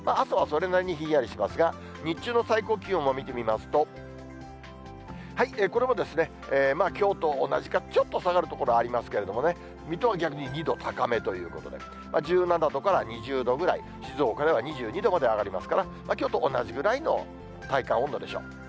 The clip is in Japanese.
朝はそれなりにひんやりしますが、日中の最高気温を見てみますと、これもですね、きょうと同じか、ちょっと下がる所ありますけれどもね、水戸は逆に２度高めということで、１７度から２０度ぐらい、静岡では２２度まで上がりますから、きょうと同じぐらいの体感温度でしょう。